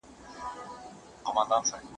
که مسواک په سمه طریقه ووهل شي، غاښونه نه تخریبوي.